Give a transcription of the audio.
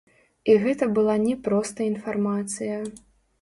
І гэта была не проста інфармацыя.